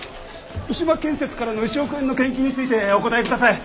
牛間建設からの１億円の献金についてお答えください！